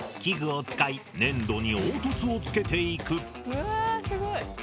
うわすごい。